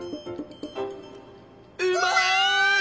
うまい！